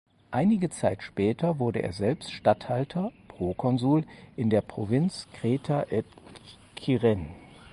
Einige Zeit später wurde er selbst Statthalter (Proconsul) in der Provinz "Creta et Cyrene".